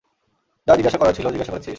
যা জিজ্ঞাসা করার ছিলো জিজ্ঞাসা করেছিস?